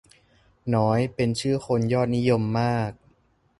น้อยเป็นชื่อคนยอดนิยมมาก